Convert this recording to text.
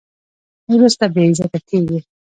وروسته بې عزته کېږي.